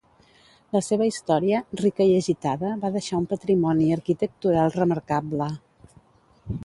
La seva història, rica i agitada, va deixar un patrimoni arquitectural remarcable.